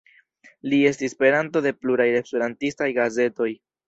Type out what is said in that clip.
Li estis peranto de pluraj esperantistaj gazetoj.